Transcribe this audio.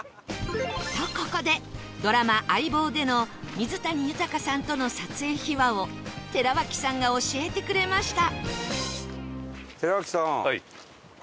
とここでドラマ『相棒』での水谷豊さんとの撮影秘話を寺脇さんが教えてくれました